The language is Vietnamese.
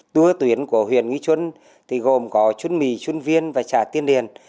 bước tuyến của huyện nguyễn xuân thì gồm có xuân mì xuân viên và trà tiên điền